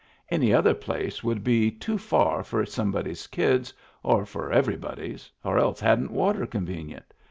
Any other place would be too far for somebody's kids, or for everybody's, or else hadn't water convenient.